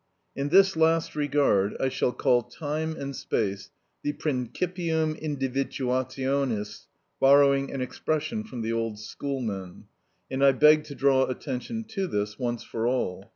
In this last regard I shall call time and space the principium individuationis, borrowing an expression from the old schoolmen, and I beg to draw attention to this, once for all.